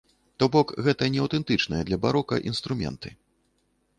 То бок, гэта не аўтэнтычныя для барока інструменты.